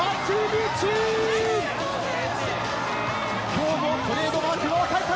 今日もトレードマークの赤い髪。